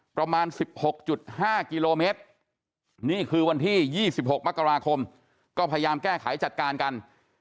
ประมาณ๑๖๕กิโลเมตรนี่คือวันที่๒๖มกราคมก็พยายามแก้ไขจัดการกัน